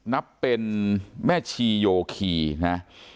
นับเป็นแม่ชีโยคีนะ